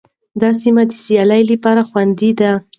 دا سیمه د سیل لپاره خوندي ده.